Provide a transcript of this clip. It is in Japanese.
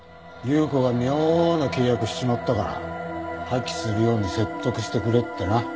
由子が妙な契約しちまったから破棄するように説得してくれってな。